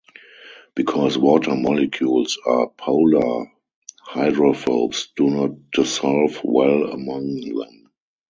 Because water molecules are polar, hydrophobes do not dissolve well among them.